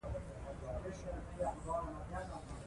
تاریخي آثار د هغې نقش تاییدوي.